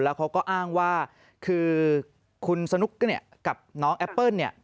แล้วเขาก็อ้างว่าคือคุณชนุกกับน้องแอปเปิ้ล